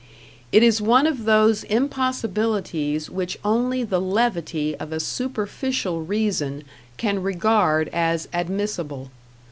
It is one of those impossibilities which only the levity of a superficial reason can regard as admissable.